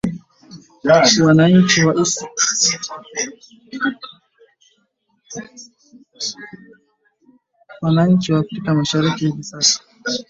Wananchi wa Afrika Mashariki hivi sasa